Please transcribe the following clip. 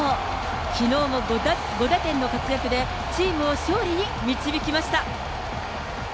きのうも５打点の活躍で、チームを勝利に導きました。